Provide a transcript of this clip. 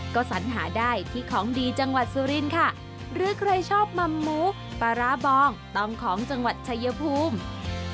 ก็สัญหาได้ที่ของดีจังหวัดสุรินค่ะหรือใครชอบมัมหมูปลาร้าบองต้องของจังหวัดชายภูมิ